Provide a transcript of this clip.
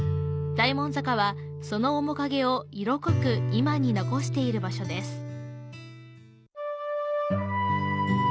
大門坂は、その面影を色濃く今に残している場所です。